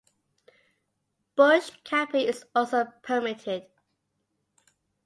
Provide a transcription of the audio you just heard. Bush camping is also permitted.